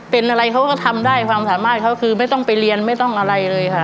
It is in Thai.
เป็นอะไรเขาก็ทำได้ความสามารถเขาคือไม่ต้องไปเรียนไม่ต้องอะไรเลยค่ะ